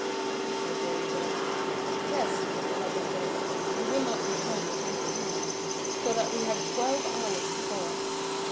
"Is your jailer gone?" "Yes," said Dantès; "he will not return until the evening; so that we have twelve hours before us."